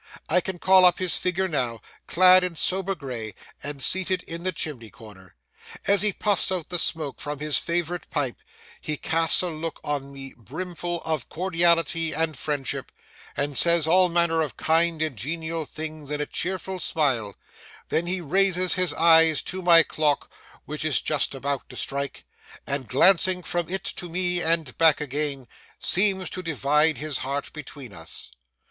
I can call up his figure now, clad in sober gray, and seated in the chimney corner. As he puffs out the smoke from his favourite pipe, he casts a look on me brimful of cordiality and friendship, and says all manner of kind and genial things in a cheerful smile; then he raises his eyes to my clock, which is just about to strike, and, glancing from it to me and back again, seems to divide his heart between us.